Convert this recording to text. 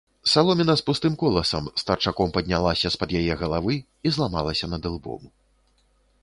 Саломіна з пустым коласам старчаком паднялася з-пад яе галавы і зламалася над ілбом.